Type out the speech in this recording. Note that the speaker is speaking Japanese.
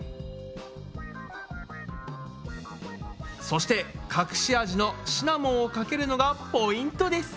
そして隠し味のシナモンをかけるのがポイントです。